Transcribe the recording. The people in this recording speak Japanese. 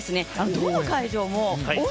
どの会場も応援